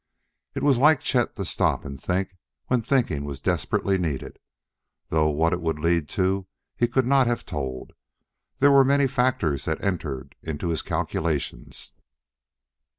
It was like Chet to stop and think when thinking was desperately needed, though what it would lead to he could not have told. There were many factors that entered into his calculations.